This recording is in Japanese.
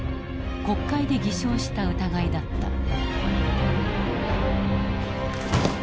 国会で偽証した疑いだった。